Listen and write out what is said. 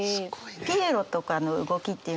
ピエロとかの動きっていうんですかね？